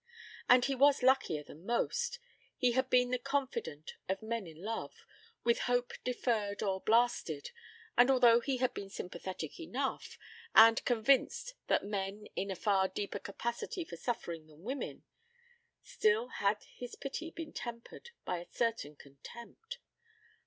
And he was luckier than most. He had been the confidant of men in love, with hope deferred or blasted, and although he had been sympathetic enough, and convinced that men had a far deeper capacity for suffering than women, still had his pity been tempered by a certain contempt.